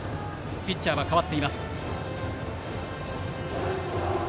ピッチャーは変わっています。